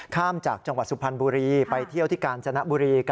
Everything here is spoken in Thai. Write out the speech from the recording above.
ข้ามจากจังหวัดสุพรรณบุรีไปเที่ยวที่กาญจนบุรี